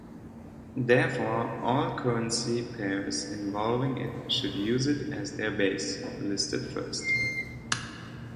Therefore, all currency pairs involving it should use it as their base, listed first.